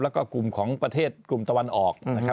แล้วก็กลุ่มของประเทศกลุ่มตะวันออกนะครับ